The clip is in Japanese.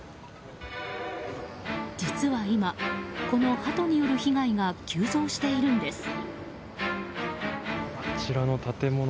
実は今、このハトによる被害が急増しているんです。